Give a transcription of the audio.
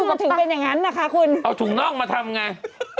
มันถึงเป็นอย่างนั้นนะคะคุณเอาถุงน่องมาทำไง